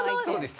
そう。